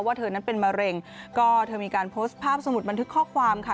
เธอนั้นเป็นมะเร็งก็เธอมีการโพสต์ภาพสมุดบันทึกข้อความค่ะ